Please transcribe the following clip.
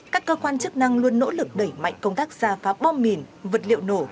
các cơ quan chức năng luôn nỗ lực đẩy mạnh công tác xa phá bom mìn vật liệu nổ